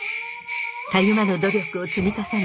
たゆまぬ努力を積み重ね